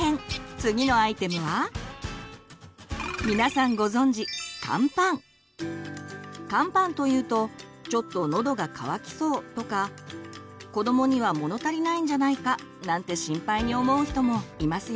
次のアイテムは皆さんご存じカンパンというと「ちょっとのどが渇きそう」とか「子どもには物足りないんじゃないか」なんて心配に思う人もいますよね。